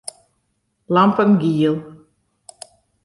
Lampen giel.